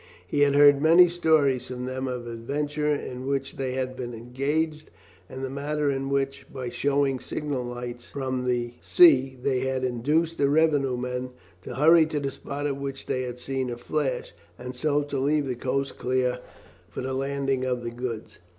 He had heard many stories from them of adventures in which they had been engaged, and the manner in which, by showing signal lights from the sea, they had induced the revenue men to hurry to the spot at which they had seen a flash, and so to leave the coast clear for the landing of the goods.